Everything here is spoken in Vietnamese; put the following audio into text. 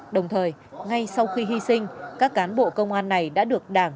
đồng thời ngay sau khi hy sinh các cán bộ công an này đã được đảng